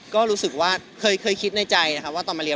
ก็รู้สึกว่าเคยคิดในใจ